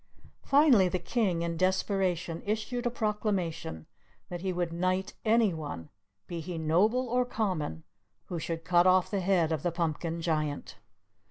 Finally the King, in desperation, issued a proclamation that he would knight any one, be he noble or common, who should cut off the head of the Pumpkin Giant.